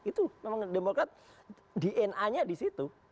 itu memang demokrat dna nya di situ